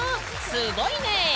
すごいね！